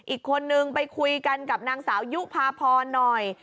อีกคนนึงไปคุยกันกับนางสาวยุภาพรหน่อย